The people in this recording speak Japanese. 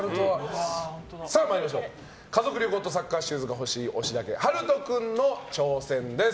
家族旅行とサッカーシューズが欲しい押田家・陽斗君の挑戦です。